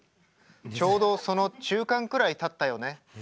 ちょうどその中間くらいたったよね」。